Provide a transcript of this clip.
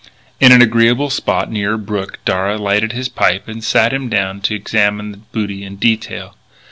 In an agreeable spot near a brook Darragh lighted his pipe and sat him down to examine the booty in detail.